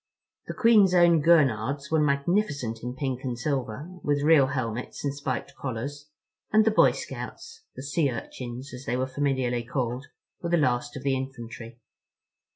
The Queen's Own Gurnards were magnificent in pink and silver, with real helmets and spiked collars; and the Boy Scouts—"The Sea Urchins" as they were familiarly called—were the last of the infantry.